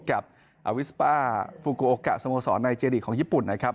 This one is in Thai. กับอาวิสป้าฟูกูโอกะสโมสรในเจรีย์ของญี่ปุ่นนะครับ